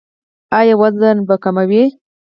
ایا وزن به کموئ؟